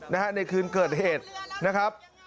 ในคืนเกิดเหตุนะครับ